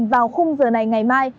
vào khung giờ này ngày mai